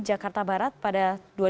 jakarta barat pada dua ribu sepuluh